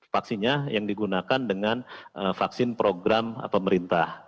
vaksinnya yang digunakan dengan vaksin program pemerintah